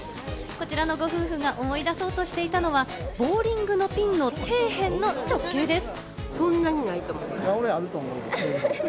こちらのご夫婦が思い出そうとしてたのはボウリングのピンの底辺の直径です。